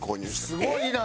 すごいな。